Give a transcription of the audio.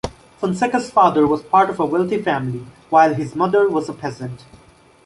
Fonseca's father was part of a wealthy family, while his mother was a peasant.